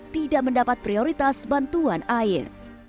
tidak mendapat prioritas bantuan air